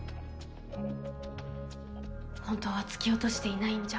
本当は突き落としていないんじゃ？